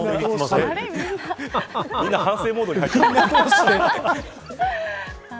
みんな反省モードに入ってます。